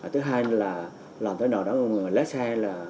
thứ hai là lần tới nào đó người lái xe